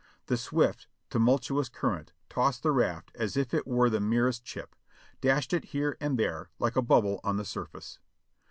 The swift, tumultuous current tossed the raft as if it were the merest chip, dashed it here and there like a bubble on the surface.